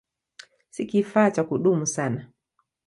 Si kifaa cha kudumu sana.